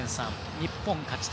日本勝ち点